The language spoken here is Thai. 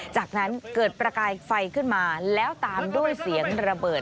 จากนั้นเกิดประกายไฟขึ้นมาแล้วตามด้วยเสียงระเบิด